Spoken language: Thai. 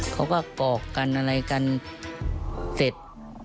เขาก็กรอกกันอะไรกันเสร็จ